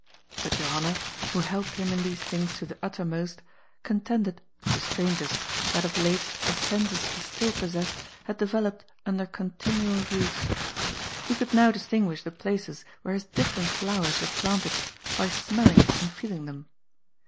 But Jo hanna, who helped him in these things to the uttermost, contended — ^to strangers — ^that of late the senses he still possessed had developed under continual use. He could now distinguish the places where his different flowers were planted by smelling and feeling them.